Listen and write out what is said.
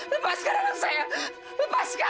lepaskan anak saya lepaskan